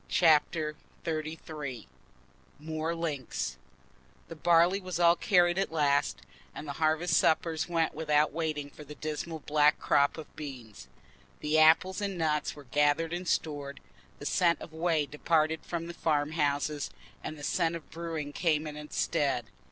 Chapter XXXIII More Links The barley was all carried at last, and the harvest suppers went by without waiting for the dismal black crop of beans. The apples and nuts were gathered and stored; the scent of whey departed from the farm houses, and the scent of brewing came in its stead.